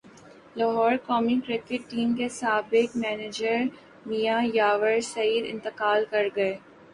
لاہورقومی cricket team کے سابق manager Mian یاور سعید انتقال کرگئے